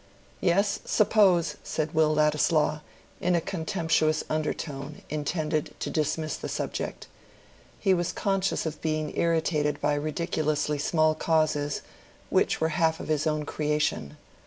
"Yes, suppose!" said Will Ladislaw, in a contemptuous undertone, intended to dismiss the subject. He was conscious of being irritated by ridiculously small causes, which were half of his own creation.